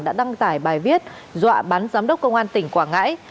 đã đăng tải bài viết dọa bắn giám đốc công an tỉnh quảng ngãi